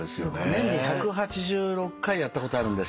年に１８６回やったことあるんです。